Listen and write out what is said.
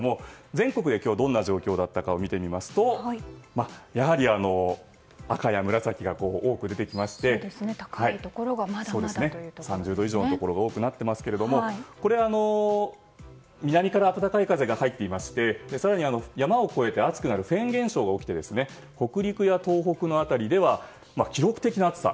全国で今日どんな状況だったか見てみますと赤や紫が多く出てきまして３０度以上のところが多くなっていますけどこれは南から暖かい風が入っていまして、更に山を越えて暑くなるフェーン現象が起きて北陸や東北の辺りでは記録的な暑さ。